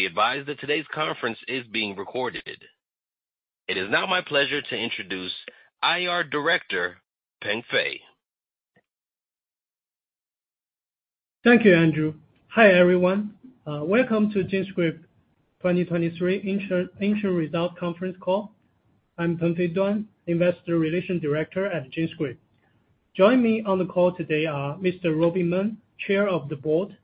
Please be advised that today's conference is being recorded. It is now my pleasure to introduce IR Director, Pengfei Duan. Thank you, Andrew. Hi, everyone. Welcome to GenScript 2023 interim results conference call. I'm Pengfei Duan, Investor Relations Director at GenScript. Joining me on the call today are Mr. Robin Meng, Chair of the Board,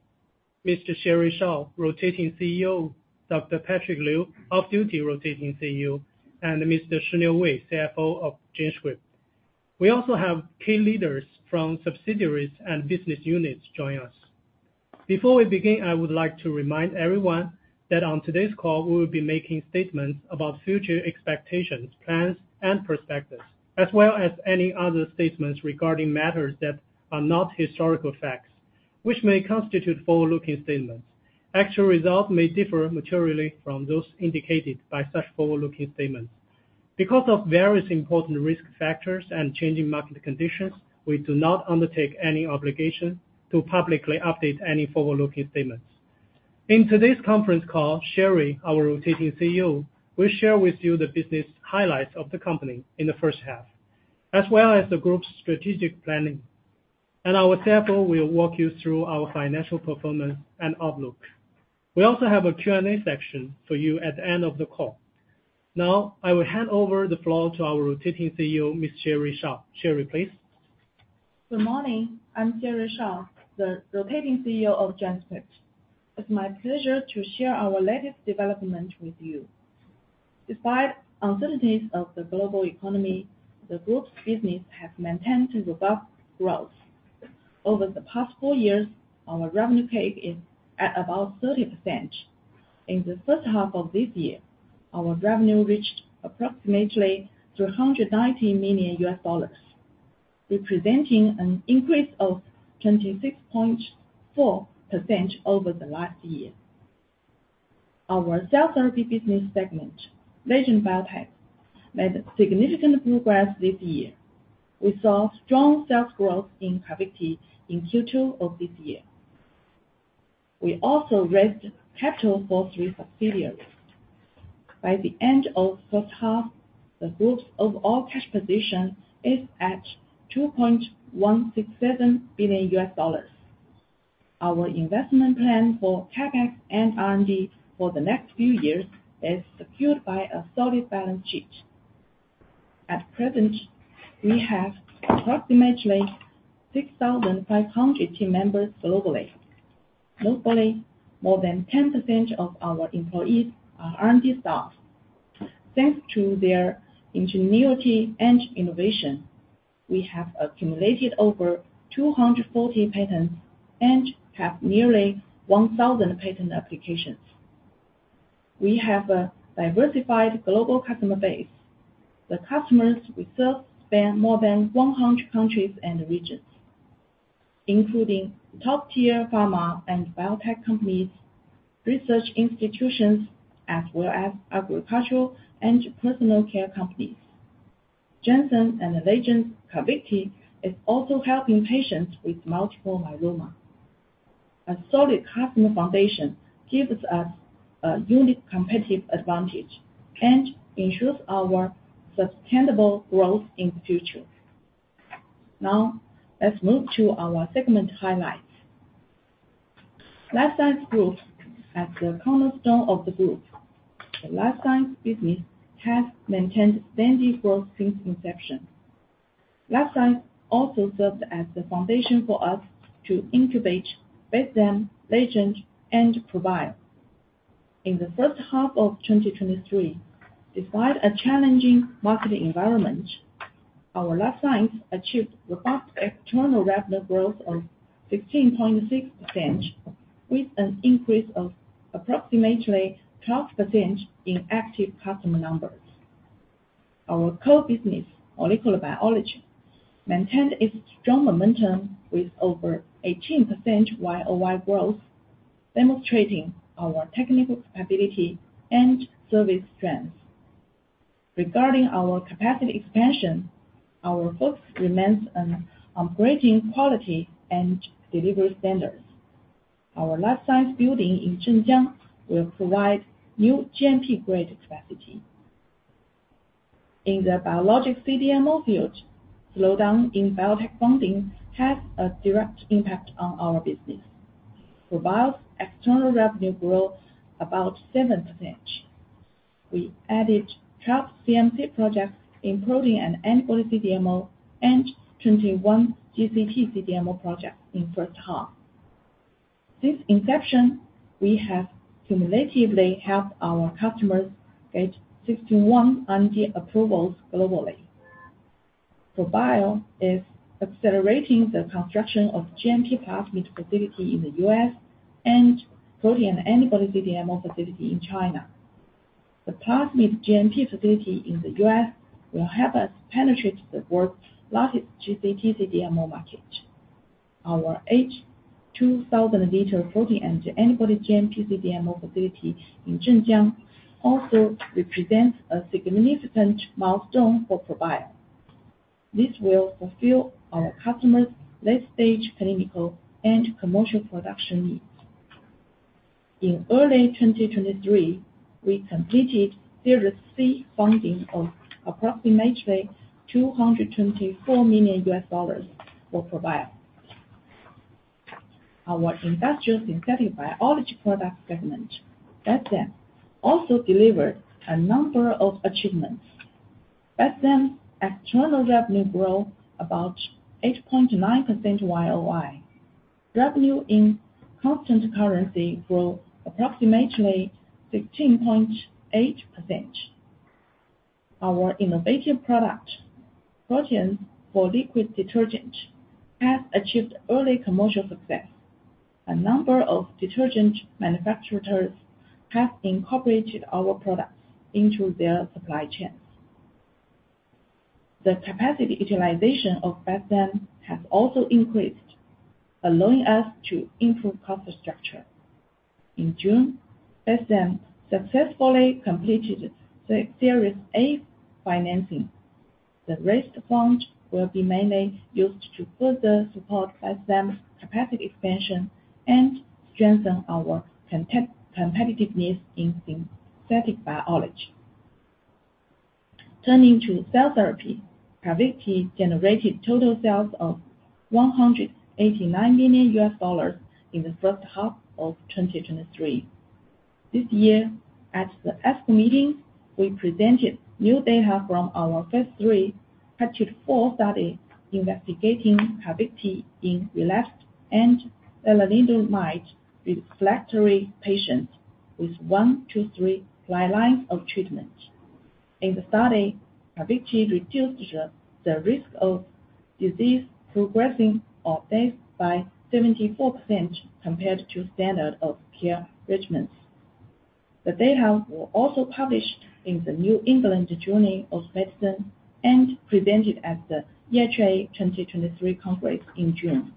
Ms. Sherry Shao, Rotating Chief Financial Officer, Dr. Patrick Liu, Off-Duty Rotating Chief Executive Officer, and Mr. Shiniu Wei, Chief Financial Officer of GenScript. We also have key leaders from subsidiaries and business units joining us. Before we begin, I would like to remind everyone that on today's call, we will be making statements about future expectations, plans, and perspectives, as well as any other statements regarding matters that are not historical facts, which may constitute forward-looking statements. Actual results may differ materially from those indicated by such forward-looking statements. Because of various important risk factors and changing market conditions, we do not undertake any obligation to publicly update any forward-looking statements. In today's conference call, Sherry, our Rotating Chief Financial Officer, will share with you the business highlights of the company in the first half, as well as the group's strategic planning. Our Chief Financial Officer will walk you through our financial performance and outlook. We also have a Q&A section for you at the end of the call. I will hand over the floor to our Rotating Chief Financial Officer, Ms. Sherry Shao. Sherry, please. Good morning, I'm Sherry Shao, the Rotating Chief Financial Officer of GenScript. It's my pleasure to share our latest development with you. Despite uncertainties of the global economy, the group's business has maintained robust growth. Over the past four years, our revenue CAGR is at about 30%. In the first half of this year, our revenue reached approximately $390 million, representing an increase of 26.4% over the last year. Our cell therapy business segment, Legend Biotech, made significant progress this year. We saw strong sales growth in CARVYKTI in Q2 of this year. We also raised capital for three subsidiaries. By the end of first half, the group's overall cash position is at $2.167 billion. Our investment plan for CapEx and R&D for the next few years is secured by a solid balance sheet. At present, we have approximately 6,500 team members globally. Locally, more than 10% of our employees are R&D staff. Thanks to their ingenuity and innovation, we have accumulated over 240 patents and have nearly 1,000 patent applications. We have a diversified global customer base. The customers we serve span more than 100 countries and regions, including top-tier pharma and biotech companies, research institutions, as well as agricultural and personal care companies. Janssen and Legend CARVYKTI is also helping patients with multiple myeloma. A solid customer foundation gives us a unique competitive advantage and ensures our sustainable growth in the future. Now, let's move to our segment highlights. Life Science Group as the cornerstone of the group. The Life Science business has maintained steady growth since inception. Life Science also serves as the foundation for us to incubate Bestzyme, Legend, and ProBio. In the first half of 2023, despite a challenging marketing environment, our life science achieved robust external revenue growth of 16.6%, with an increase of approximately 12% in active customer numbers. Our core business, molecular biology, maintained its strong momentum with over 18% year-over-year growth, demonstrating our technical capability and service strength. Regarding our capacity expansion, our focus remains on upgrading quality and delivery standards. Our life science building in Zhenjiang will provide new GMP-grade capacity. In the biologic CDMO field, slowdown in biotech funding has a direct impact on our business. ProBio's external revenue grew about 7%. We added 12 CMC projects, including an antibody CDMO and 21 GCP CDMO projects in first half. Since inception, we have cumulatively helped our customers get 61 R&D approvals globally. ProBio is accelerating the construction of GMP plasmid facility in the U.S. and protein antibody CDMO facility in China. The plasmid GMP facility in the U.S. will help us penetrate the world's largest GCP CDMO market. Our 2,000 L protein and antibody GMP CDMO facility in Zhenjiang also represents a significant milestone for ProBio. This will fulfill our customers' late-stage clinical and commercial production needs. In early 2023, we completed Series C funding of approximately $224 million for ProBio. Our industrial synthetic biology product segment, Bestzyme, also delivered a number of achievements. Bestzyme external revenue grew about 8.9% year-over-year. Revenue in constant currency grew approximately 16.8%. Our innovative product, protein for liquid detergent, has achieved early commercial success. A number of detergent manufacturers have incorporated our products into their supply chains. The capacity utilization of Bestzyme has also increased, allowing us to improve cost structure. In June, Bestzyme successfully completed Series A financing. The raised funds will be mainly used to further support Bestzyme's capacity expansion and strengthen our competitiveness in synthetic biology. Turning to cell therapy, CARVYKTI generated total sales of $189 million in the first half of 2023. This year, at the ASCO meeting, we presented new data from our phase III, CARTITUDE-4 study, investigating CARVYKTI in relapsed and lenalidomide refractory patients with one to three dry lines of treatment. In the study, CARVYKTI reduced the risk of disease progressing or death by 74% compared to standard of care regimens. The data were also published in the New England Journal of Medicine and presented at the EHA 2023 Conference in June.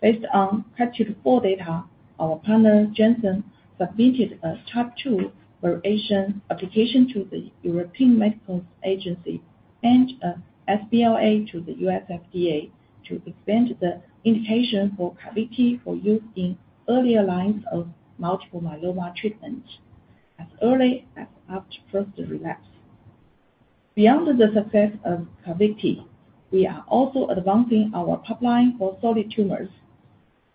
Based on CARTITUDE-4 data, our partner, Janssen, submitted a Type II variation application to the European Medicines Agency and a sBLA to the U.S. FDA to expand the indication for CARVYKTI for use in earlier lines of multiple myeloma treatment, as early as after first relapse. Beyond the success of CARVYKTI, we are also advancing our pipeline for solid tumors.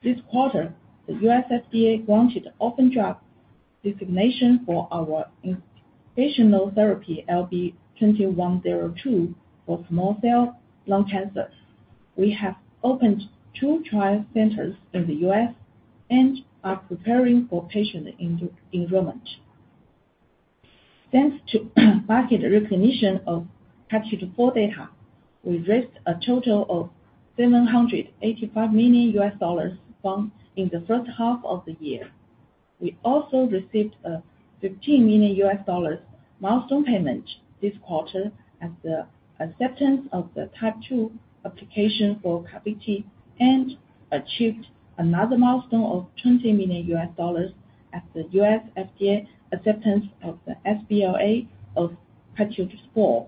This quarter, the U.S. FDA granted Orphan Drug Designation for our investigational therapy, LB2102, for small cell lung cancer. We have opened two trial centers in the U.S. and are preparing for patient enrollment. Thanks to market recognition of CARTITUDE-4 data, we raised a total of $785 million in the first half of the year. We also received a $15 million milestone payment this quarter as the acceptance of the Type II application for CARVYKTI, and achieved another milestone of $20 million at the U.S. FDA acceptance of the sBLA of CARTITUDE-4.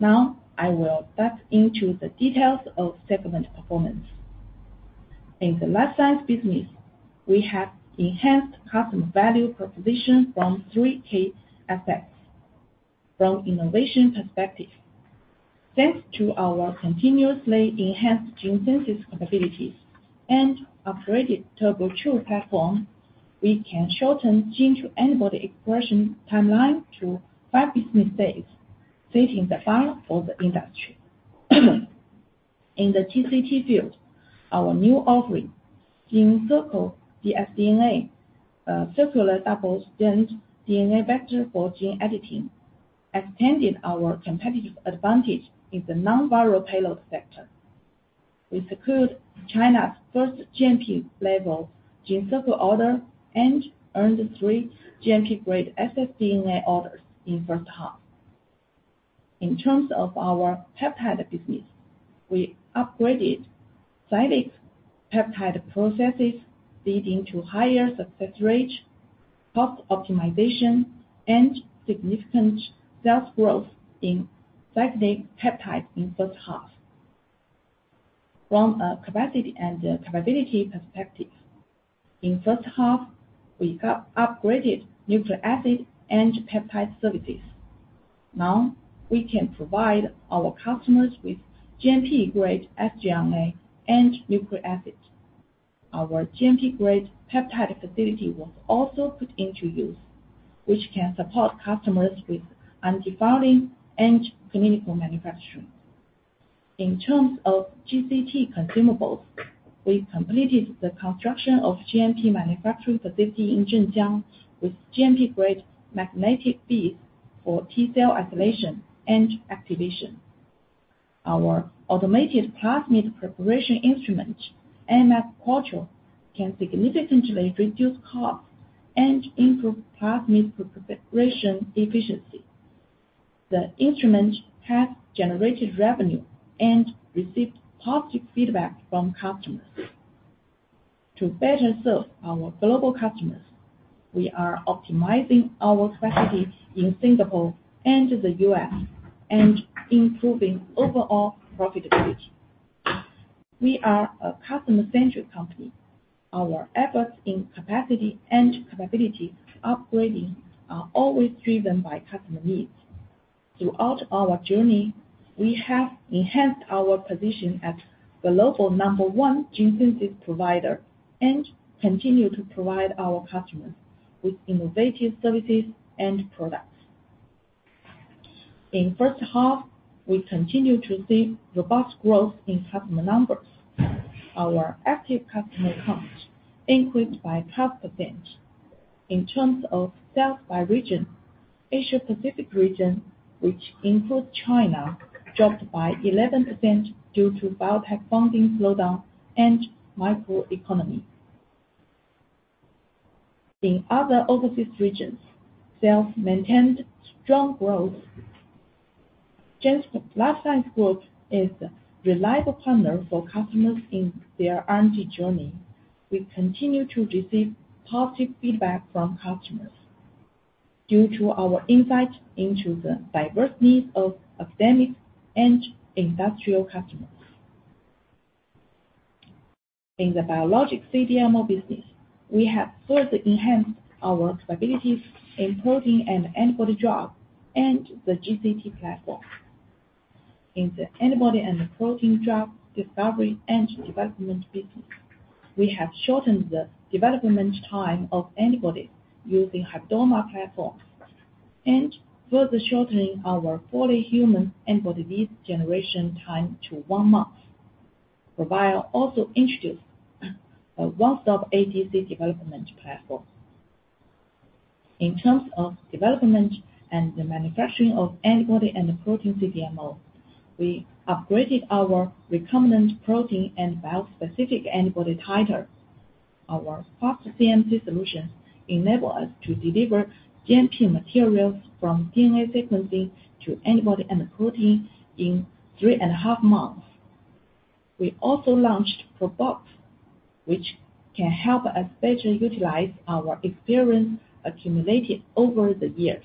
Now, I will dive into the details of segment performance. In the life science business, we have enhanced customer value proposition from three key aspects. From innovation perspective, thanks to our continuously enhanced gene synthesis capabilities and upgraded TurboCHO platform, we can shorten gene-to-antibody expression timeline to five business days, setting the bar for the industry. In the TCT field, our new offering, GenCircle dsDNA, circular double-stranded DNA vector for gene editing, extended our competitive advantage in the non-viral payload sector. We secured China's first GMP-level GenCircle order and earned three GMP-grade scDNA orders in first half. In terms of our peptide business, we upgraded cGMP peptide processes, leading to higher success rate, cost optimization, and significant sales growth in cGMP peptide in first half. From a capacity and capability perspective, in first half, we upgraded nucleic acid and peptide services. Now, we can provide our customers with GMP-grade sgRNA and nucleic acid. Our GMP-grade peptide facility was also put into use, which can support customers with anti-filing and clinical manufacturing. In terms of GCT consumables, we completed the construction of GMP manufacturing facility in Zhenjiang, with GMP-grade magnetic beads for T-cell isolation and activation. Our automated plasmid preparation instrument, AmMag Quattro, can significantly reduce costs and improve plasmid preparation efficiency. The instrument has generated revenue and received positive feedback from customers. To better serve our global customers, we are optimizing our capacity in Singapore and the US, and improving overall profitability. We are a customer-centric company. Our efforts in capacity and capability upgrading are always driven by customer needs. Throughout our journey, we have enhanced our position as the global number one gene synthesis provider, and continue to provide our customers with innovative services and products. In first half, we continued to see robust growth in customer numbers. Our active customer count increased by 12%. In terms of sales by region, Asia-Pacific region, which includes China, dropped by 11% due to biotech funding slowdown and microeconomy. In other overseas regions, sales maintained strong growth. GenScript Life Science Group is a reliable partner for customers in their R&D journey. We continue to receive positive feedback from customers due to our insight into the diverse needs of academic and industrial customers. In the biologic CDMO business, we have further enhanced our capabilities in protein and antibody drug and the GCT platform. In the antibody and protein drug discovery and development business, we have shortened the development time of antibody using hybridoma platform, and further shortening our fully human antibody lead generation time to 1 month. GenScript ProBio also introduced a one-stop ADC development platform. In terms of development and the manufacturing of antibody and protein CDMO, we upgraded our recombinant protein and bispecific antibody titer. Our fast CMC solutions enable us to deliver GMP materials from DNA sequencing to antibody and protein in three and half months. We also launched ProBox, which can help us better utilize our experience accumulated over the years.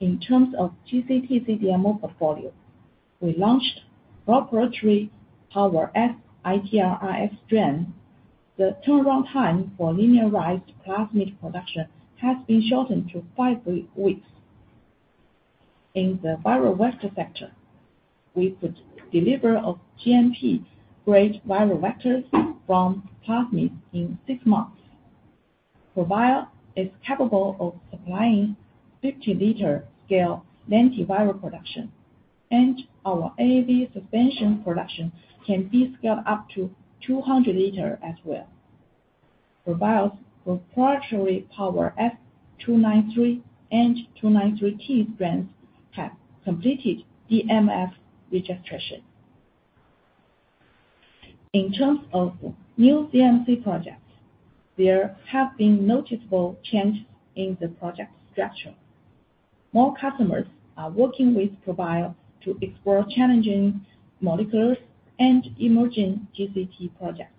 In terms of GCT CDMO portfolio, we launched proprietary PowerS-ITRrs strain. The turnaround time for linearized plasmid production has been shortened to five weeks. In the viral vector sector, we put delivery of GMP-grade viral vectors from plasmid in six months. ProBio is capable of supplying 50 L scale lentivirus production, and our AAV suspension production can be scaled up to 200 L as well. ProBio's proprietary PowerS-293 and 293T strains have completed DMF registration. In terms of new CMC projects, there have been noticeable changes in the project structure. More customers are working with ProBio to explore challenging molecules and emerging GCT projects.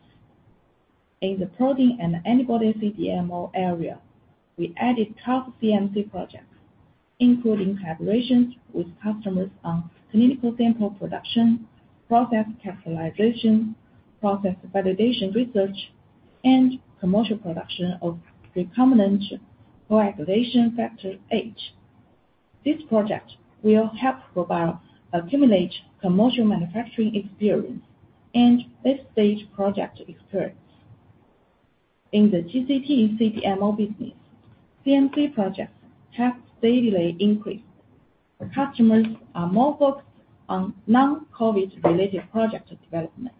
In the protein and antibody CDMO area, we added tough CMC projects, including collaborations with customers on clinical sample production, process capitalization, process validation research, and commercial production of recombinant coagulation factor H. This project will help ProBio accumulate commercial manufacturing experience and late-stage project experience. In the GCT CDMO business, CMC projects have steadily increased. The customers are more focused on non-COVID-related project development.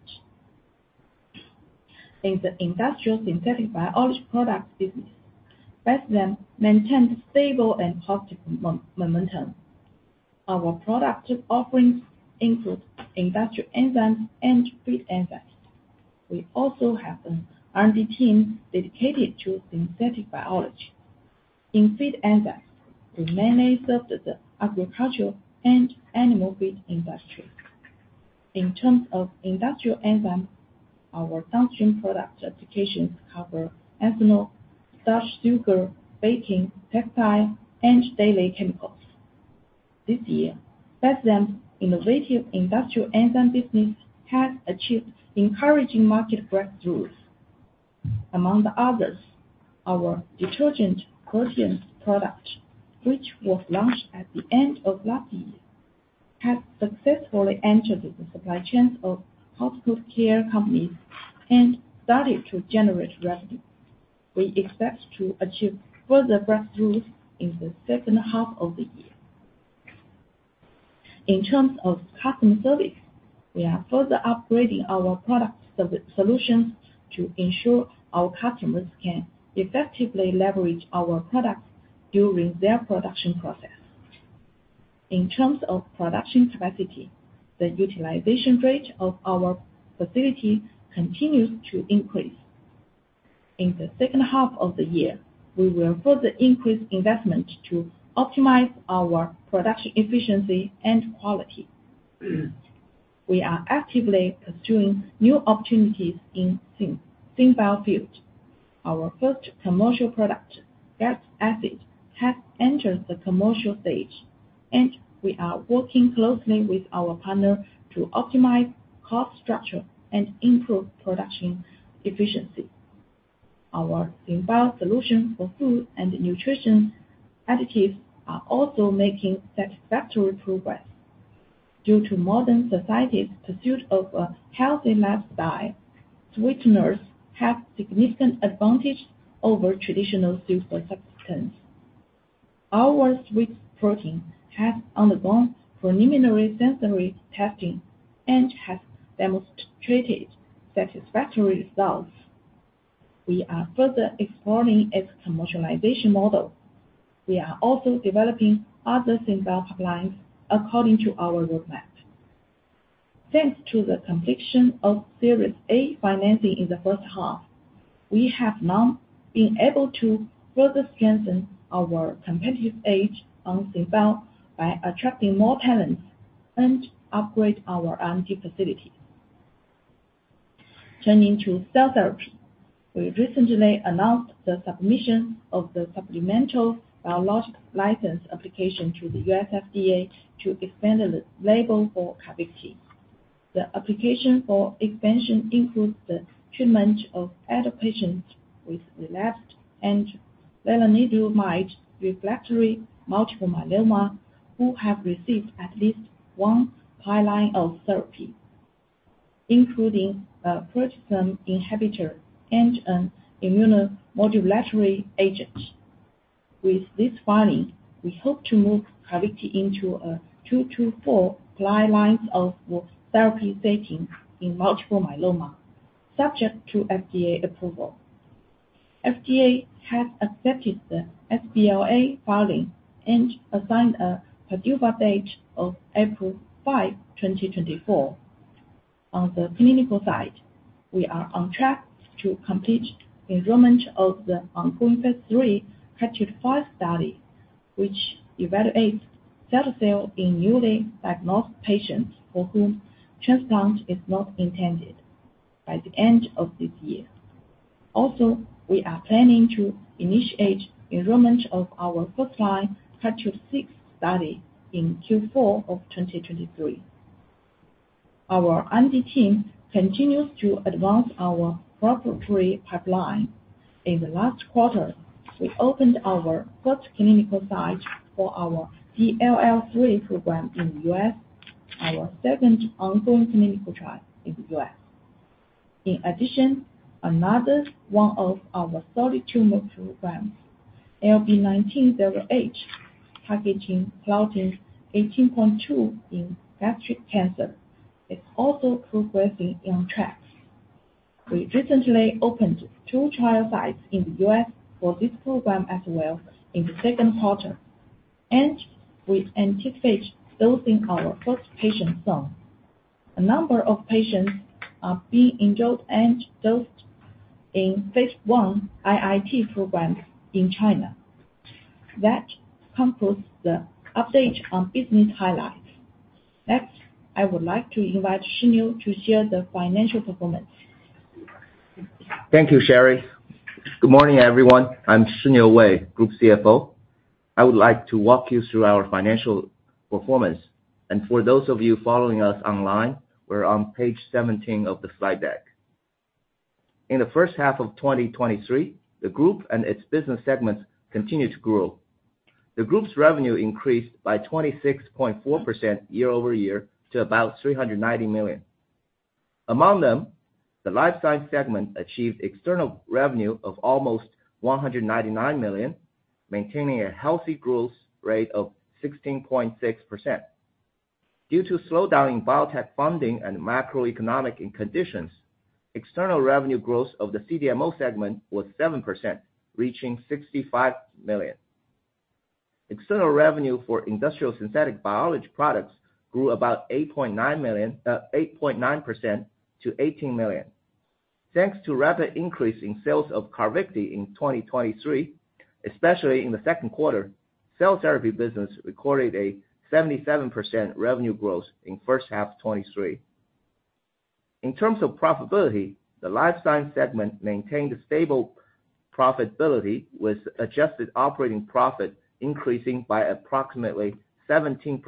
In the industrial synthetic biology products business, Bestzyme maintained stable and positive momentum. Our product offerings include industrial enzymes and feed enzymes. We also have an R&D team dedicated to synthetic biology. In feed enzymes, we mainly serve the agricultural and animal feed industry. In terms of industrial enzymes, our downstream product applications cover ethanol, starch sugar, baking, textile, and daily chemicals. This year, Bestzyme's innovative industrial enzyme business has achieved encouraging market breakthroughs. Among the others, our detergent protein product, which was launched at the end of last year, has successfully entered the supply chains of healthcare companies and started to generate revenue. We expect to achieve further breakthroughs in the second half of the year. In terms of customer service, we are further upgrading our product service solutions to ensure our customers can effectively leverage our products during their production process. In terms of production capacity, the utilization rate of our facility continues to increase. In the second half of the year, we will further increase investment to optimize our production efficiency and quality. We are actively pursuing new opportunities in SynBio field. Our first commercial product, gas acid, has entered the commercial stage, and we are working closely with our partner to optimize cost structure and improve production efficiency. Our SynBio solution for food and nutrition additives are also making satisfactory progress. Due to modern society's pursuit of a healthy lifestyle, sweeteners have significant advantage over traditional super substance. Our sweet protein has undergone preliminary sensory testing and has demonstrated satisfactory results. We are further exploring its commercialization model. We are also developing other SynBio pipelines according to our roadmap. Thanks to the completion of Series A financing in the first half, we have now been able to further strengthen our competitive edge on SynBio by attracting more talents and upgrade our R&D facility. Turning to cell therapy, we recently announced the submission of the supplemental Biologics License Application to the U.S. FDA to expand the label for CARVYKTI. The application for expansion includes the treatment of adult patients with relapsed and lenalidomidde refractory multiple myeloma, who have received at least one prior line of therapy, including a proteasome inhibitor and an immunomodulatory agent. With this filing, we hope to move CARVYKTI into a two to four prior lines of therapy setting in multiple myeloma, subject to FDA approval. FDA has accepted the sBLA filing and assigned a PDUFA date of April 5, 2024. On the clinical side, we are on track to complete enrollment of the ongoing phase III CARTITUDE-5 study which evaluates CARVYKTI in newly diagnosed patients for whom transplant is not intended by the end of this year. We are planning to initiate enrollment of our first-line CARTITUDE-6 study in Q4 of 2023. Our R&D team continues to advance our proprietary pipeline. In the last quarter, we opened our first clinical site for our DLL3 program in the U.S., our second ongoing clinical trial in the U.S. Another one of our solid tumor programs, LB1908, targeting Claudin 18.2 in gastric cancer, is also progressing on track. We recently opened two trial sites in the U.S. for this program as well in the Q2, and we anticipate dosing our first patient soon. A number of patients are being enrolled and dosed in phase I IIT programs in China. That concludes the update on business highlights. Next, I would like to invite Xinyou to share the financial performance. Thank you, Sherry. Good morning, everyone. I'm Shiniu Wei, Group Chief Financial Officer. I would like to walk you through our financial performance. For those of you following us online, we're on page 17 of the slide deck. In the first half of 2023, the group and its business segments continued to grow. The group's revenue increased by 26.4% year-over-year to about $390 million. Among them, the Life Science segment achieved external revenue of almost $199 million, maintaining a healthy growth rate of 16.6%. Due to slowdown in biotech funding and macroeconomic conditions, external revenue growth of the CDMO segment was 7%, reaching $65 million. External revenue for industrial synthetic biology products grew about $8.9 million, 8.9% to $18 million. Thanks to rapid increase in sales of CARVYKTI in 2023, especially in the Q2, cell therapy business recorded a 77% revenue growth in first half 2023. In terms of profitability, the life science segment maintained a stable profitability, with adjusted operating profit increasing by approximately 17%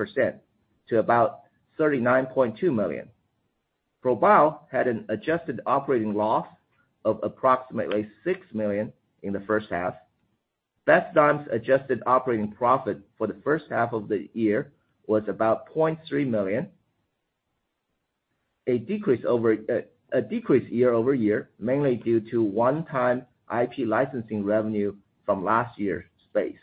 to about 39.2 million. ProBio had an adjusted operating loss of approximately 6 million in the first half. Bestzyme's adjusted operating profit for the first half of the year was about 0.3 million. A decrease over a decrease year-over-year, mainly due to one-time IP licensing revenue from last year's space.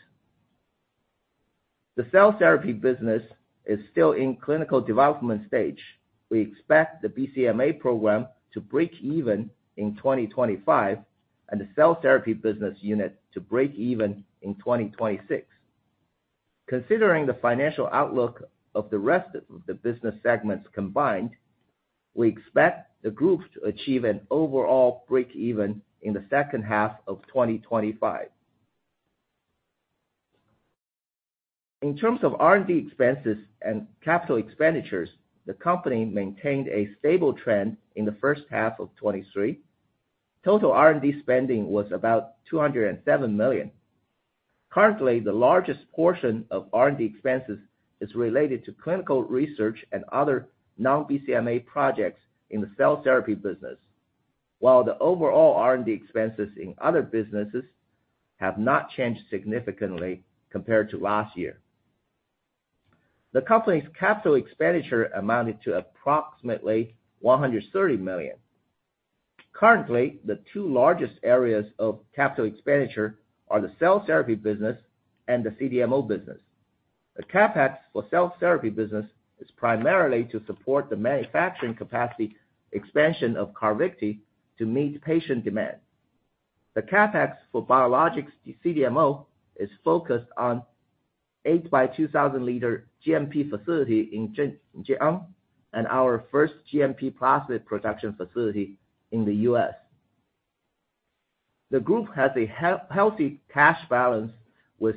The cell therapy business is still in clinical development stage. We expect the BCMA program to break even in 2025, and the cell therapy business unit to break even in 2026. considering the financial outlook of the rest of the business segments combined, we expect the group to achieve an overall breakeven in the second half of 2025. In terms of R&D expenses and capital expenditures, the company maintained a stable trend in the first half of 2023. Total R&D spending was about $207 million. Currently, the largest portion of R&D expenses is related to clinical research and other non-BCMA projects in the cell therapy business, while the overall R&D expenses in other businesses have not changed significantly compared to last year. The company's capital expenditure amounted to approximately $130 million. Currently, the two largest areas of capital expenditure are the cell therapy business and the CDMO business. The CapEx for cell therapy business is primarily to support the manufacturing capacity expansion of CARVYKTI to meet patient demand. The CapEx for biologics CDMO is focused on 8 by 2,000 L GMP facility in Zhenjiang, and our first GMP plasmid production facility in the U.S. The group has a healthy cash balance with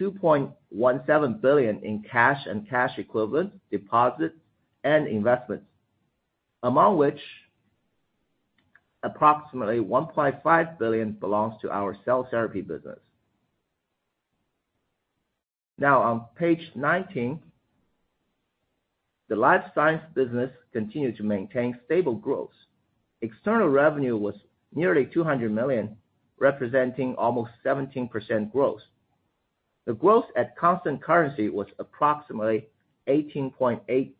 $2.17 billion in cash and cash equivalents, deposits, and investments, among which approximately $1.5 billion belongs to our cell therapy business. Now, on page 19, the Life Science business continued to maintain stable growth. External revenue was nearly $200 million, representing almost 17% growth. The growth at constant currency was approximately 18.8%.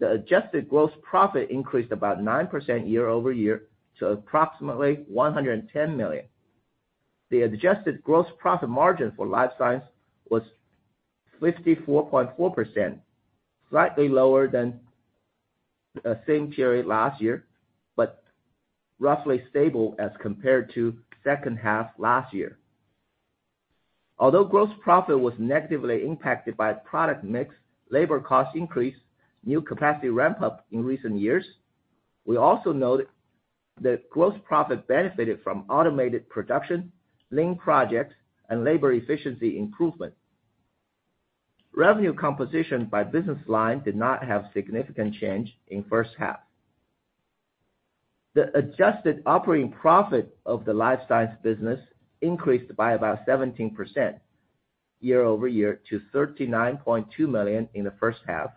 The adjusted gross profit increased about 9% year-over-year to approximately $110 million. The adjusted gross profit margin for Life Science was 54.4%, slightly lower than same period last year, but roughly stable as compared to second half last year. Although gross profit was negatively impacted by product mix, labor cost increase, new capacity ramp-up in recent years, we also note that gross profit benefited from automated production, lean projects, and labor efficiency improvement. Revenue composition by business line did not have significant change in first half. The adjusted operating profit of the life science business increased by about 17% year-over-year to $39.2 million in the first half.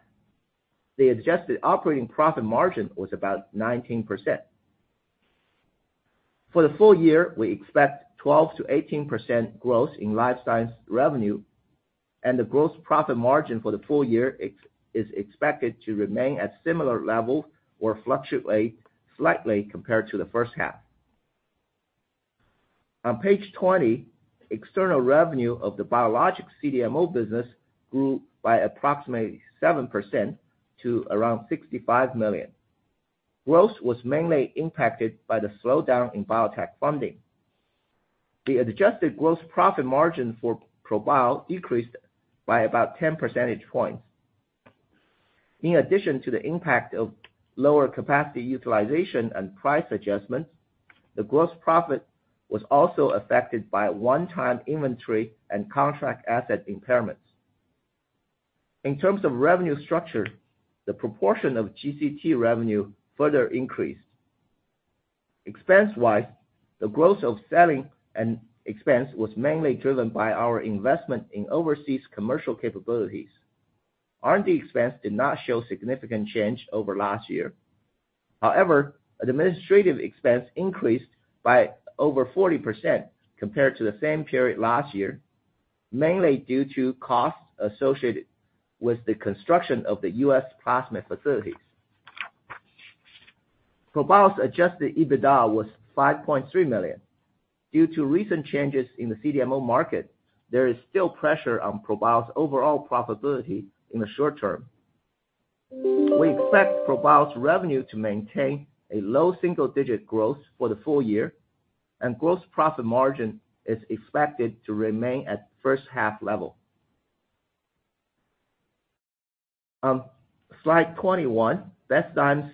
The adjusted operating profit margin was about 19%. For the full year, we expect 12%-18% growth in life science revenue, the gross profit margin for the full year is expected to remain at similar level or fluctuate slightly compared to the first half. On page 20, external revenue of the biologics CDMO business grew by approximately 7% to around $65 million. Growth was mainly impacted by the slowdown in biotech funding. The adjusted gross profit margin for ProBio decreased by about 10 percentage points. In addition to the impact of lower capacity utilization and price adjustments, the gross profit was also affected by a one-time inventory and contract asset impairments. In terms of revenue structure, the proportion of GCT revenue further increased. Expense-wise, the growth of selling and expense was mainly driven by our investment in overseas commercial capabilities. R&D expense did not show significant change year-over-year. However, administrative expense increased by over 40% compared to the same period last year, mainly due to costs associated with the construction of the U.S. plasmid facilities. ProBio's adjusted EBITDA was $5.3 million. Due to recent changes in the CDMO market, there is still pressure on ProBio's overall profitability in the short term. We expect ProBio's revenue to maintain a low single-digit growth for the full year, and gross profit margin is expected to remain at first half level. On slide 21, Bestzyme's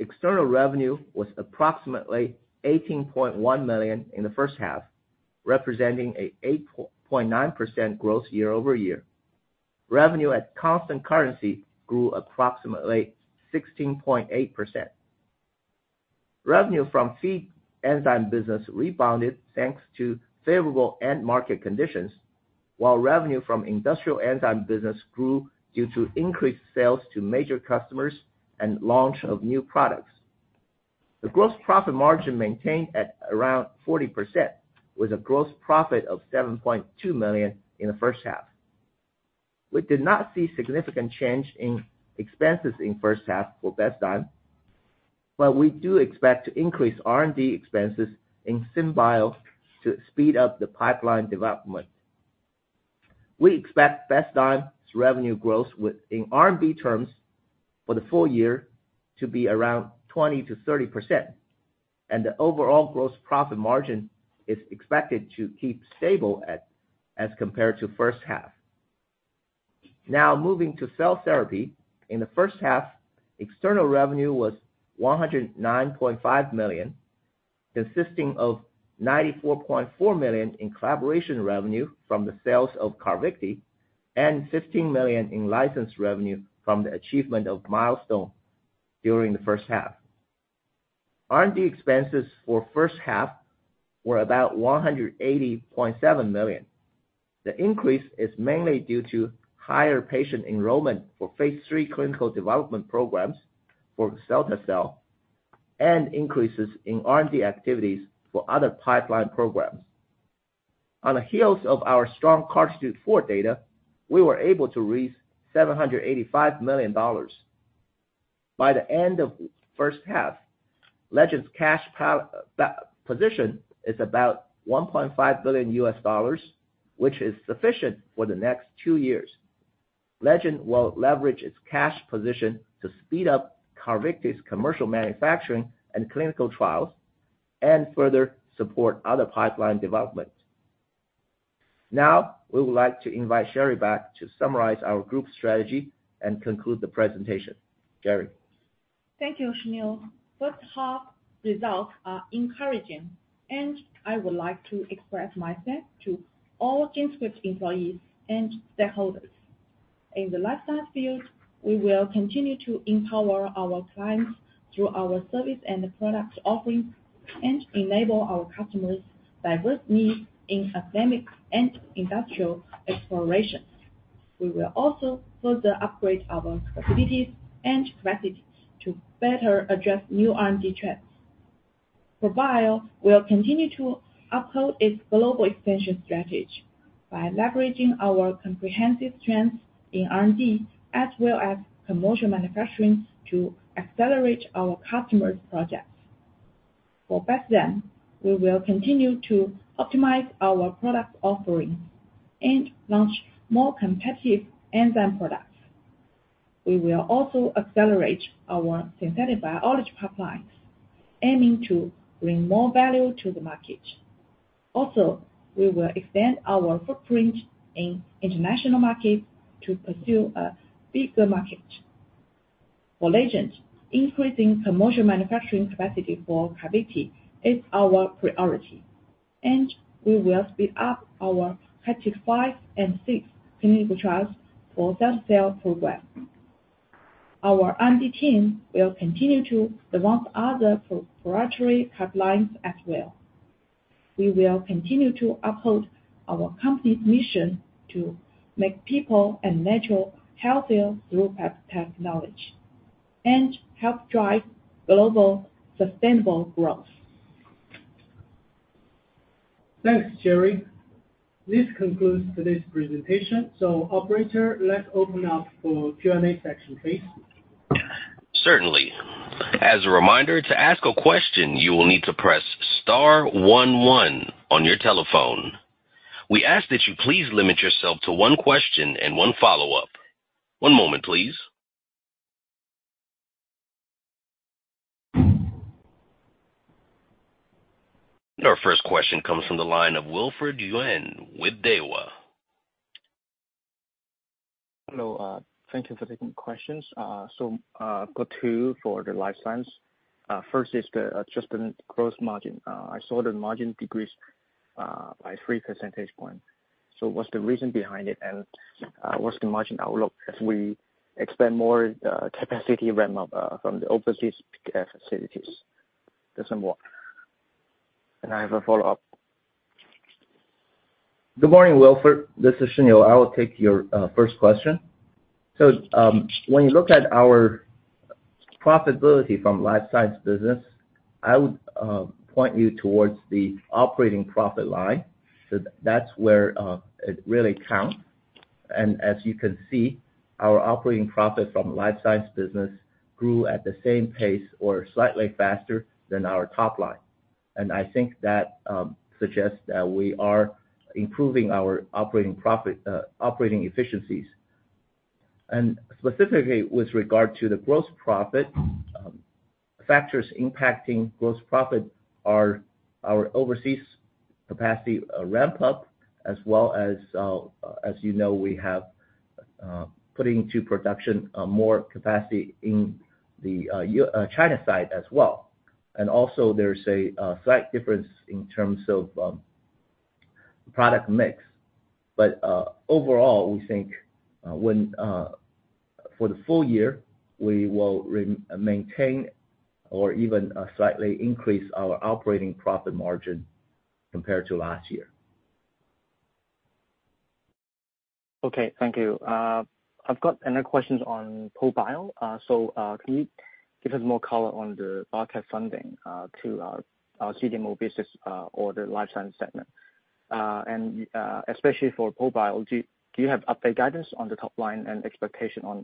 external revenue was approximately 18.1 million in the first half, representing an 8.9% growth year-over-year. Revenue at constant currency grew approximately 16.8%. Revenue from feed enzyme business rebounded, thanks to favorable end market conditions, while revenue from industrial enzyme business grew due to increased sales to major customers and launch of new products. The gross profit margin maintained at around 40%, with a gross profit of 7.2 million in the first half. We did not see significant change in expenses in first half for Bestzyme, but we do expect to increase R&D expenses in SynBio to speed up the pipeline development. We expect Bestzyme's revenue growth in RMB terms for the full year to be around 20%-30%. The overall gross profit margin is expected to keep stable at, as compared to first half. Now, moving to cell therapy. In the first half, external revenue was $109.5 million, consisting of $94.4 million in collaboration revenue from the sales of CARVYKTI, and $15 million in license revenue from the achievement of milestone during the first half. R&D expenses for first half were about $180.7 million. The increase is mainly due to higher patient enrollment for phase III clinical development programs for cell to cell, and increases in R&D activities for other pipeline programs. On the heels of our strong CARTITUDE-4 data, we were able to raise $785 million. By the end of first half, Legend's cash pal- position is about $1.5 billion, which is sufficient for the next two years. Legend will leverage its cash position to speed up CARVYKTI's commercial manufacturing and clinical trials, and further support other pipeline development. Now, we would like to invite Sherry back to summarize our group strategy and conclude the presentation. Sherry? Thank you, Shiniu. First half results are encouraging, and I would like to express my thanks to all GenScript employees and stakeholders. In the life science field, we will continue to empower our clients through our service and product offerings, and enable our customers' diverse needs in academic and industrial explorations. We will also further upgrade our facilities and capacities to better address new R&D trends. For Bio, we'll continue to uphold its global expansion strategy by leveraging our comprehensive strengths in R&D, as well as commercial manufacturing, to accelerate our customers' projects. For Bestzyme, we will continue to optimize our product offerings and launch more competitive enzyme products. We will also accelerate our synthetic biology pipelines, aiming to bring more value to the market. Also, we will expand our footprint in international markets to pursue a bigger market. For Legend, increasing commercial manufacturing capacity for CARVYKTI is our priority, and we will speed up our CARTITUDE-5 and CARTITUDE-6 clinical trials for cell-to-cell program. Our R&D team will continue to develop other proprietary pipelines as well. We will continue to uphold our company's mission to make people and natural healthier through biotechnology, and help drive global sustainable growth. Thanks, Sherry. This concludes today's presentation. Operator, let's open up for Q&A section, please. Certainly. As a reminder, to ask a question, you will need to press star one one on your telephone. We ask that you please limit yourself to one question and one follow-up. One moment, please. Our first question comes from the line of Wilfred Yuen with Daiwa. Hello, thank you for taking questions. I've got two for the Life Science. First is the adjustment gross margin. I saw the margin decreased by 3 percentage points. What's the reason behind it? What's the margin outlook as we expand more capacity ramp up from the overseas cGMP facilities? There's some more. I have a follow-up. Good morning, Wilfred. This is Shiniu Wei. I will take your first question. When you look at our profitability from Life Science business, I would point you towards the operating profit line. As you can see, our operating profit from Life Science business grew at the same pace or slightly faster than our top line. I think that suggests that we are improving our operating profit, operating efficiencies. Specifically, with regard to the gross profit, factors impacting gross profit are our overseas capacity ramp-up, as well as, as you know, we have putting to production more capacity in the China side as well. Also, there's a slight difference in terms of product mix. Overall, we think, when, for the full year, we will maintain or even, slightly increase our operating profit margin compared to last year. Okay, thank you. I've got another questions on ProBio. Can you give us more color on the biotech funding to our, our CDMO business, or the Life Science segment? Especially for ProBio, do you have updated guidance on the top line and expectation on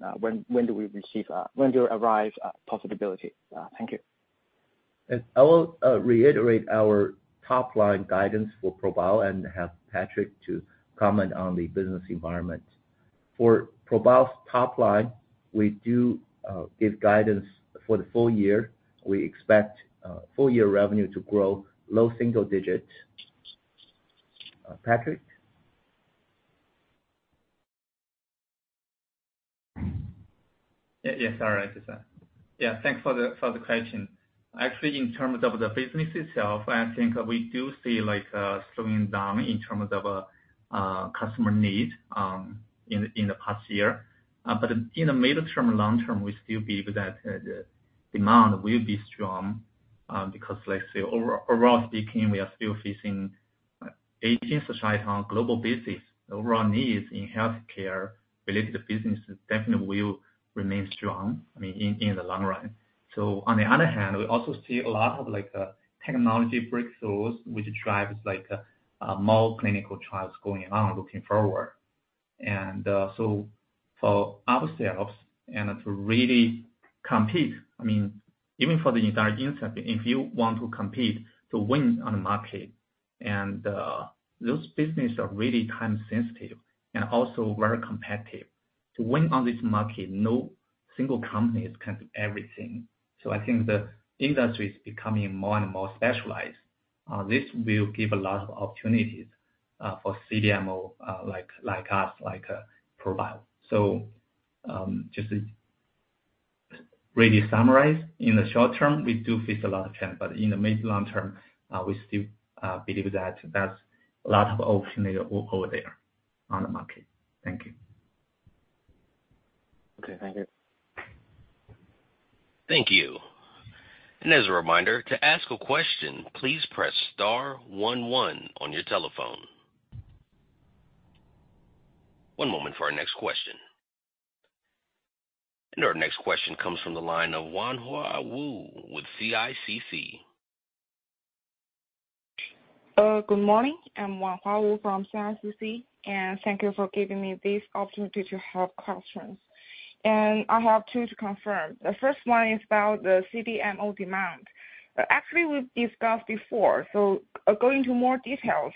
when do we receive, when do you arrive at profitability? Thank you. I will reiterate our top line guidance for ProBio and have Patrick to comment on the business environment for ProBio's top line, we do give guidance for the full year. We expect full year revenue to grow low single digit. Patrick? Yeah. Yes, all right. Sorry. Yeah, thanks for the, for the question. Actually, in terms of the business itself, I think we do see like slowing down in terms of customer need in the past year. But in the mid-term, long term, we still believe that the demand will be strong because let's say overall speaking, we are still facing aging society on global business. Overall needs in healthcare related businesses definitely will remain strong, I mean, in the long run. On the other hand, we also see a lot of, like, technology breakthroughs, which drives like more clinical trials going on looking forward. So for ourselves and to really compete, I mean, even for the entire industry, if you want to compete to win on the market, those business are really time sensitive and also very competitive. To win on this market, no single company can do everything. So I think the industry is becoming more and more specialized. This will give a lot of opportunities for CDMO, like, like us, like ProBio. So just to really summarize, in the short term, we do face a lot of challenge, but in the mid, long term, we still believe that there's a lot of opportunity over there on the market. Thank you. Okay, thank you. Thank you. As a reminder, to ask a question, please press star one, one on your telephone. One moment for our next question. Our next question comes from the line of Wanghua Wu with CICC. Good morning, I'm Wanghua Wu from CICC. Thank you for giving me this opportunity to have questions. I have two to confirm. The first one is about the CDMO demand. Actually, we've discussed before, going into more details,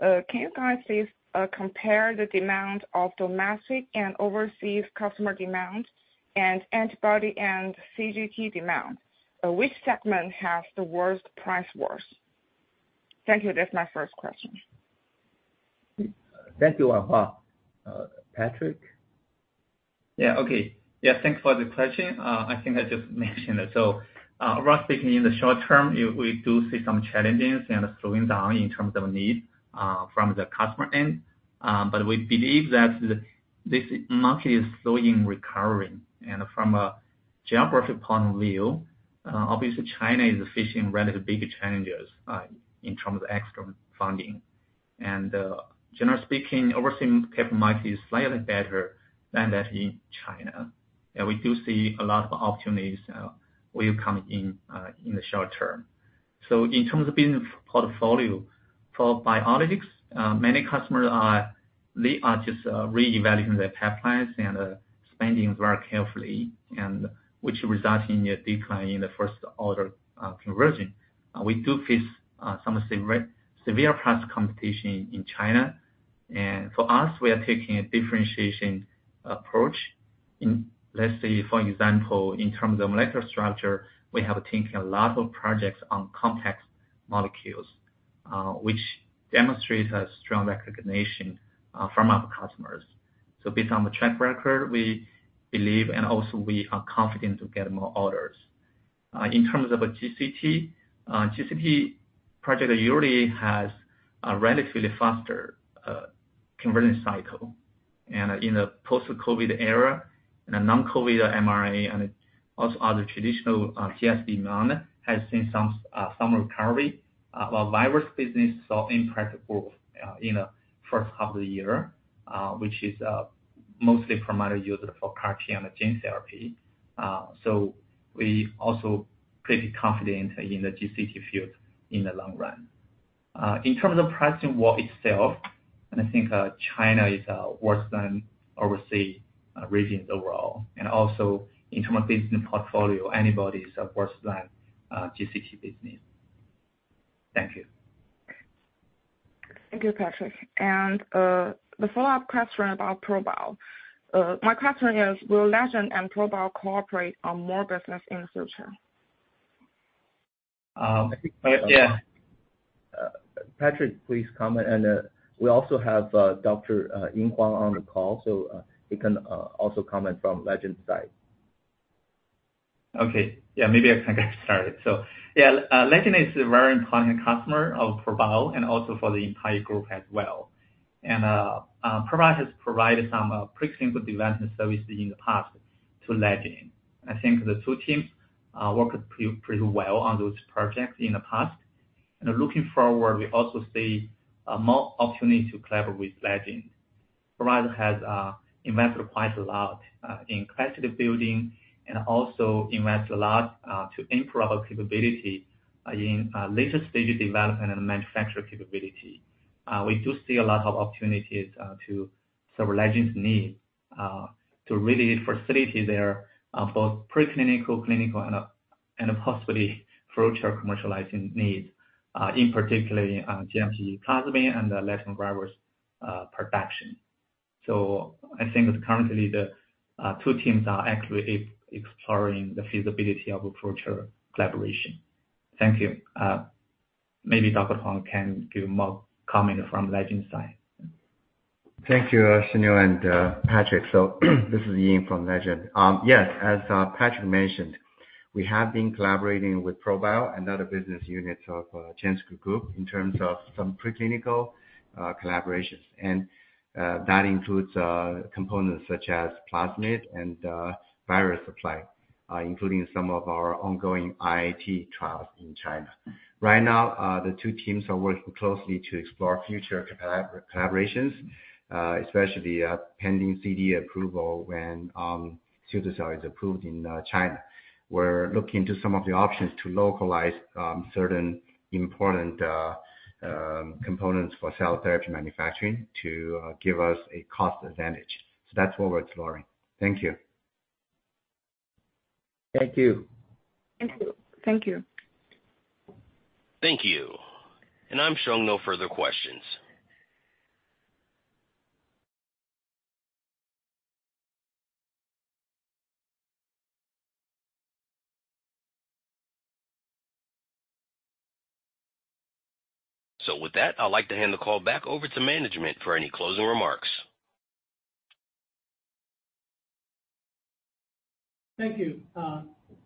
can you guys please compare the demand of domestic and overseas customer demand, and antibody and CGT demand? Which segment has the worst price worse? Thank you. That's my first question. Thank you, Wanghua. Patrick? Yeah, okay. Yeah, thanks for the question. I think I just mentioned it. Roughly speaking, in the short term, we, we do see some challenges and slowing down in terms of need from the customer end. We believe that this market is slowly recovering. From a geographic point of view, obviously, China is facing rather big challenges in terms of external funding. Generally speaking, overseeing capital market is slightly better than that in China. We do see a lot of opportunities will come in the short term. In terms of business portfolio, for biologics, many customers are they are just reevaluating their pipelines and spending very carefully, and which results in a decline in the first order conversion. We do face some severe, severe price competition in China. For us, we are taking a differentiation approach in, let's say, for example, in terms of molecular structure, we have taken a lot of projects on complex molecules, which demonstrates a strong recognition from our customers. Based on the track record, we believe and also we are confident to get more orders. In terms of GCT, GCT project usually has a relatively faster conversion cycle. In a post-COVID era, and a non-COVID mRNA and also other traditional, CS demand has seen some recovery. Virus business saw impact growth in the first half of the year, which is mostly from our user for CAR-T and gene therapy. We also pretty confident in the GCT field in the long run. In terms of pricing war itself, and I think China is worse than overseas regions overall, and also in terms of business portfolio, anybody is worse than GCT business. Thank you. Thank you, Patrick. The follow-up question about ProBio. My question is, will Legend and ProBio cooperate on more business in the future? Yeah. Patrick, please comment. We also have Dr. Ying Huang on the call, so he can also comment from Legend's side. Okay. Yeah, maybe I can get started. Yeah, Legend Biotech is a very important customer of GenScript ProBio and also for the entire GenScript Group as well. GenScript ProBio has provided some preclinical development services in the past to Legend Biotech. I think the two teams worked pretty well on those projects in the past. Looking forward, we also see more opportunity to collaborate with Legend Biotech. GenScript ProBio has invested quite a lot in capacity building and also invest a lot to improve our capability in later stage development and manufacture capability. We do see a lot of opportunities to serve Legend Biotech's need to really facilitate their both preclinical, clinical and possibly future commercializing needs, in particularly, GMP plasmid and the lentivirus production. I think currently the two teams are actively exploring the feasibility of future collaboration. Thank you. Maybe Dr. Huang can give more comment from Legend side. Thank you, Shiniu and Patrick. This is Ying from Legend. Yes, as Patrick mentioned, we have been collaborating with ProBio and other business units of GenScript Group in terms of some preclinical collaborations. That includes components such as plasmid and virus supply, including some of our ongoing IIT trials in China. Right now, the two teams are working closely to explore future collaborations, especially pending CDE approval when CARVYKTI is approved in China. We're looking to some of the options to localize certain important components for cell therapy manufacturing to give us a cost advantage. That's what we're exploring. Thank you. Thank you. Thank you. Thank you. I'm showing no further questions. With that, I'd like to hand the call back over to management for any closing remarks. Thank you.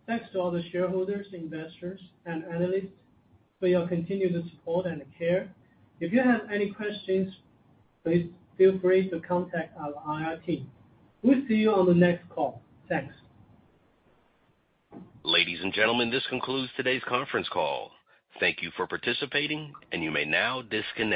Thanks to all the shareholders, investors, and analysts for your continued support and care. If you have any questions, please feel free to contact our IR team. We'll see you on the next call. Thanks. Ladies and gentlemen, this concludes today's conference call. Thank you for participating, and you may now disconnect.